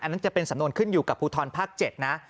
นั่นจะเป็นสำนวนขึ้นอยู่กับภูทรภาค๗นะ